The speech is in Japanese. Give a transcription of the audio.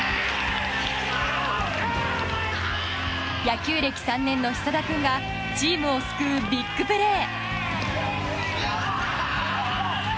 野球歴３年の久田君がチームを救うビッグプレー！